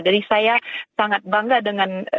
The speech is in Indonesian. jadi saya sangat bangga dengan